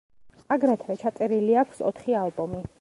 აგრეთვე ჩაწერილი აქვს ოთხი ალბომი.